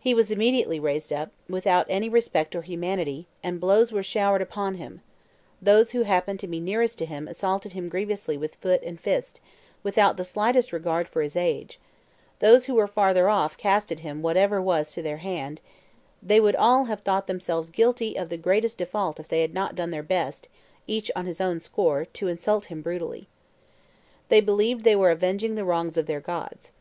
He was immediately raised up, without any respect or humanity, and blows were showered upon him; those who happened to be nearest to him assaulted him grievously with foot and fist, without the slightest regard for his age; those who were farther off cast at him whatever was to their hand; they would all have thought themselves guilty of the greatest default if they had not done their best, each on his own score, to insult him brutally. They believed they were avenging the wrongs of their gods.